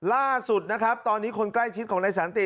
ล่าสุดนะครับตอนนี้คนใกล้ชิดของนายสันติ